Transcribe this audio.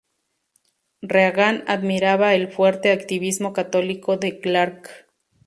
Reagan admiraba el fuerte activismo católico de Clark.